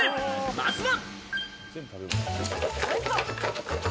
まずは。